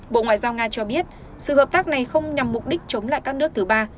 bộ ngoại giao nga cho biết sự hợp tác này không nhằm mục đích chống lại các nước thứ ba